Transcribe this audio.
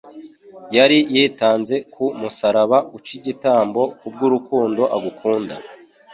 yari yitanze ku musaraba uc'igitambo kubw'urukundo agukunda.